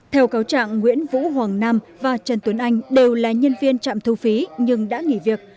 theo cáo trạng nguyễn vũ hoàng nam và trần tuấn anh đều là nhân viên trạm thu phí nhưng đã nghỉ việc